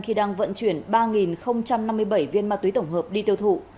khi đang vận chuyển ba năm mươi bảy viên ma túy tổng hợp đi tiêu thụ